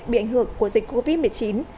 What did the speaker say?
bị ảnh hưởng của dịch covid một mươi chín